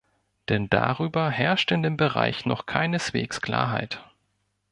Denn darüber herrscht in dem Bereich noch keineswegs Klarheit.